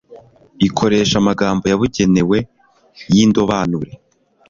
ikoresha amagambo yabugenewe y'indobanure